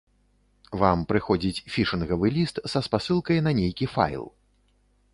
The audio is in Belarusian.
Вам прыходзіць фішынгавы ліст са спасылкай на нейкі файл.